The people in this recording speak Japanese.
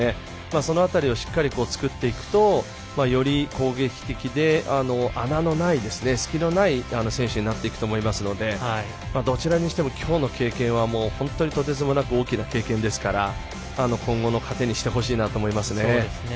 その辺りをしっかり作っていくとより攻撃的で穴のない、隙のない選手になっていくと思いますのでどちらにしても、きょうの経験は本当にとてつもなく大きな経験ですから今後の糧にしてほしいなと思いますね。